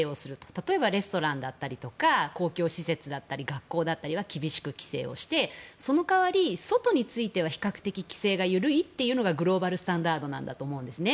例えばレストランだったり公共施設だったり学校だったりは厳しく規制してその代わり外については比較的、規制が緩いというのがグローバルスタンダードだと思うんですね。